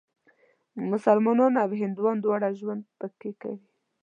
مسلمانان او هندوان دواړه ژوند پکې کوي.